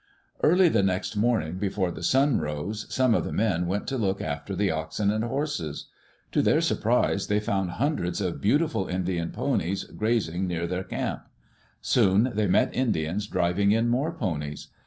Early the next morning, before the sun rose, some of the men went to look after the oxen and horses. To their surprise they found hundreds of beautiful Indian ponies grazing near their camp. Soon they met Indians driving in more ponies.